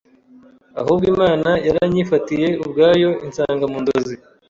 ahubwo Imana yaranyifatiye ubwayo insanga mu nzozi